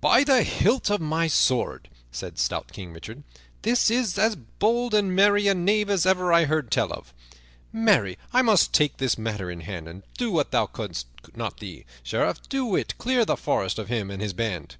"By the hilt of my sword," said stout King Richard, "this is as bold and merry a knave as ever I heard tell of. Marry, I must take this matter in hand and do what thou couldst not do, Sheriff, to wit, clear the forest of him and his band."